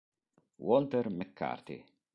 Walter McCarty